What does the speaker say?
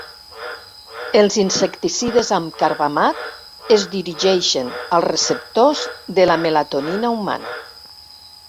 Els insecticides amb carbamat es dirigeixen als receptors de la melatonina humana.